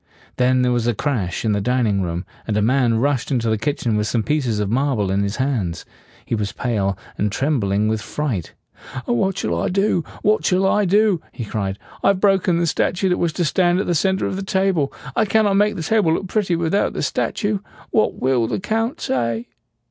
Then there was a crash in the dining room, and a man rushed into the kitchen with some pieces of marble in his hands. He was pale, and trembling with fright. "What shall I do? What shall I do?" he cried. "I have broken the statue that was to stand at the center of the table. I cannot make the table look pretty without the statue. What will the Count say?"